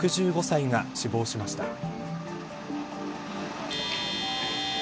６５歳が死亡しました。